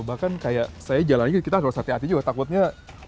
bahkan kayak saya jalanin kita harus hati hati juga takutnya